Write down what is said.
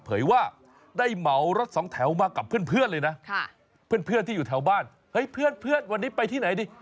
เผยว่าได้เหมารถสองแถวมากับเพื่อนเลยนะเพื่อนที่อยู่แถวบ้านเฮ้ยเพื่อนวันนี้ไปที่ไหนดี